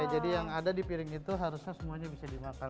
jadi yang ada di piring itu harusnya semuanya bisa dimakan